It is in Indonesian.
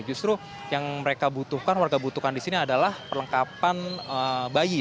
justru yang mereka butuhkan warga butuhkan di sini adalah perlengkapan bayi